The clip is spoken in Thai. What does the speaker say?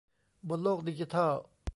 บนโลกดิจิทัล